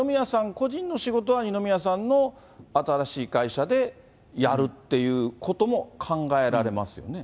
個人の仕事は、二宮さんの新しい会社でやるっていうことも考えられますよね。